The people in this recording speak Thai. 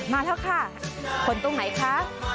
มาแล้วค่ะขนตรงไหนคะ